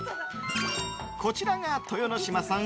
こちらが豊ノ島さん